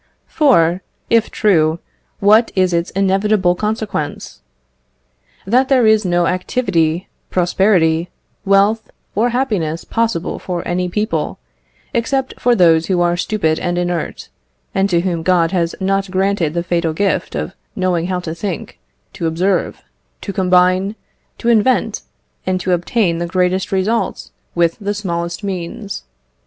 For, if true, what is its inevitable consequence? That there is no activity, prosperity, wealth, or happiness possible for any people, except for those who are stupid and inert, and to whom God has not granted the fatal gift of knowing how to think, to observe, to combine, to invent, and to obtain the greatest results with the smallest means.